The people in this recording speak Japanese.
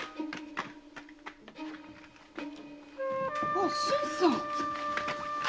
ああ新さん。